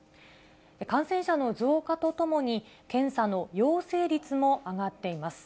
感染者の増加とともに、検査の陽性率も上がっています。